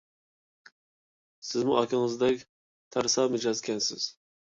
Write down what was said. سىزمۇ ئاكىڭىزدەك تەرسا مىجەزكەنسىز!